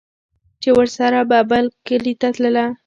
چې ورسره به بل کلي ته تلله